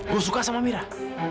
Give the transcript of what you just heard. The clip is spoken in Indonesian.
gue suka sama amirah